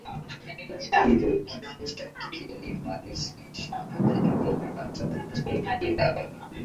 Hivyo kifo chake kilimlazimisha Jacob awatafute ndugu hao